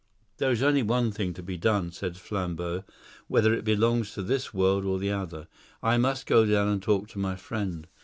"There is only one thing to be done," said Flambeau, "whether it belongs to this world or the other. I must go down and talk to my friend."